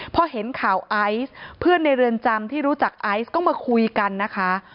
พอเห็นข่าวไอซ์เพื่อนในเรือนจำที่รู้จักไอซ์ก็มาคุยกันนะคะ